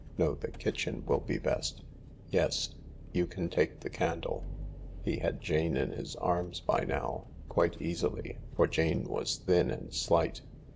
No, the kitchen will be best. Yes— you can take the candle." He had Jane in his arms by now— quite easily, for Jane was thin and slight.